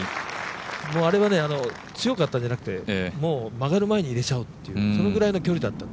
もうあれは強かったんじゃなくて、曲がる前に入れちゃおうという、そのぐらいの距離だった。